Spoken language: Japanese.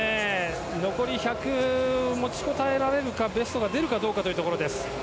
残り１００持ちこたえられるかベストが出るかどうかというところ。